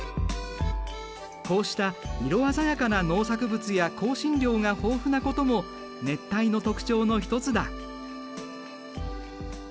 こうした色鮮やかな農作物や香辛料が豊富なことも熱帯の特徴の一つだ。